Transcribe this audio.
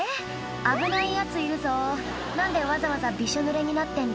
危ないヤツいるぞ何でわざわざびしょぬれになってんだ？